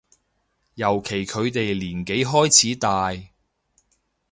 尤其佢哋年紀開始大